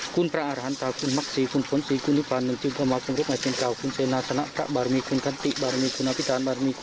ความพิหารสีเป็นทีม